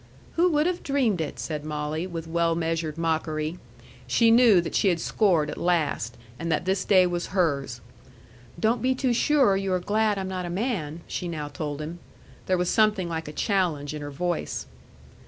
"Who would have dreamed it!" said Molly, with well measured mockery. She knew that she had scored at last, and that this day was hers. "Don't be too sure you are glad I'm not a man," she now told him. There was something like a challenge in her voice.